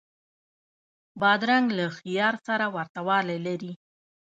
بادرنګ له خیار سره ورته والی لري.